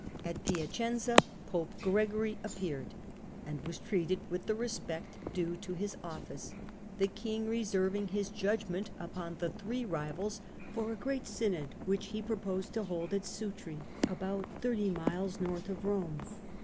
At Hacenza pope Gregory appeared and was treated with the respect due to his office; the king reserving his judgment upon the three rivals for a great synod which he proposed to hold at Sutri about thirty miles north of Rome.